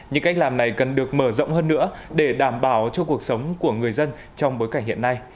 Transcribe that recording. những cách làm này cần được mở rộng hơn nữa để đảm bảo cho cuộc sống của người dân trong bối cảnh hiện nay